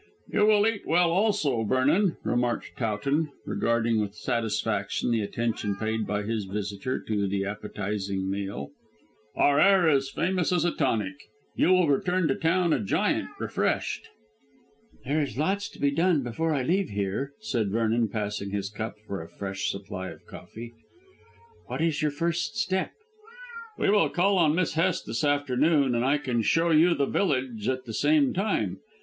"You will eat well also, Vernon," remarked Towton, regarding with satisfaction the attention paid by his visitor to the appetising meal. "Our air is famous as a tonic. You will return to town a giant refreshed." "There is lots to be done before I leave here," said Vernon passing his cup for a fresh supply of coffee. "What is your first step?" "We will call on Miss Hest this afternoon, and I can show you the village at the same time.